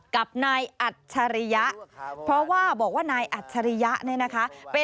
กับนายอัจฉริยะเพราะว่าบอกว่านายอัจฉริยะเนี่ยนะคะ